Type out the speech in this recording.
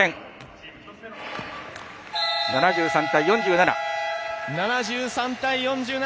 ７３対４７